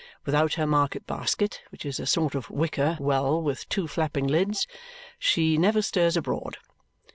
Without her market basket, which is a sort of wicker well with two flapping lids, she never stirs abroad.